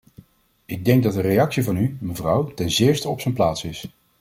Ik denk dat een reactie van u, mevrouw, ten zeerste op z'n plaats is.